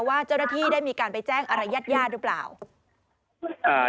ว่าเจ้าหน้าที่ได้มีการไปแจ้งอะไรญาติญาติหรือเปล่า